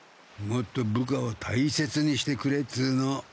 もっと部下を大切にしてくれっつうの。